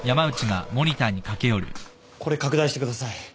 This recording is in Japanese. これ拡大してください。